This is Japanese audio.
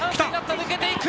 抜けていく！